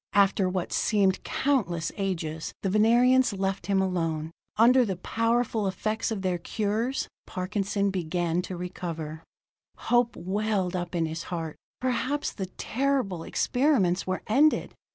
After what seemed countless ages, the Venerians left him alone. Under the powerful effects of their cures, Parkinson began to recover. Hope welled up in his heart; perhaps the terrible experiments were ended.